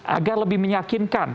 agar lebih menyakinkan